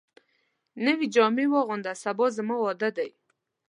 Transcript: نوي جامي واغونده ، سبا زما واده دی